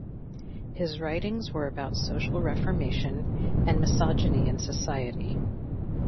His writings were about social reformation and misogyny in society.